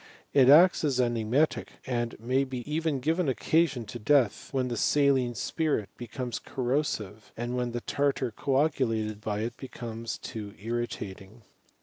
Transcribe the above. it acts as an emetic, and may even give occasion to death, when the saline spirit becomes corrosive ; and ^en the tartar coagulated by it becomes too irri tating.